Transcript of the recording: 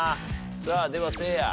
さあではせいや。